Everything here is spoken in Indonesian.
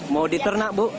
mau diternak bu